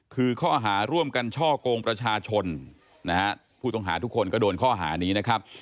คือข้อหาร่วมกันช่อกงประชาชนนะฮะผู้ต้องหาทุกคนก็โดนข้อหานี้นะครับ